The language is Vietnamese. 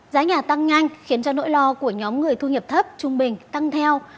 giá nhà tăng nhanh khiến cho nỗi lo của nhóm người thu nhập thấp trung bình tăng theo